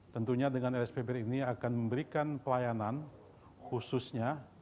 tentunya dengan lsp bri ini akan memberikan pelayanan khususnya